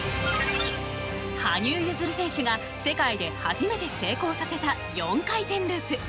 羽生結弦選手が世界で初めて成功させた４回転ループ。